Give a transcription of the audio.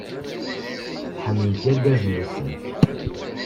Ḥemmlen-t yergazen-nnes.